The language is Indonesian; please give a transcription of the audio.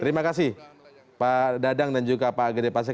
terima kasih pak dadang dan juga pak gede pasek